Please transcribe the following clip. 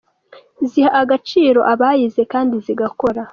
ziha agaciro abayize kandi zigakora.